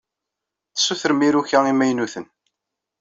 Tessutrem iruka imaynuten.